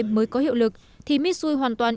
mới có hiệu lực thì mitsui hoàn toàn